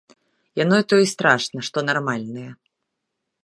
Яно то і страшна, што нармальныя.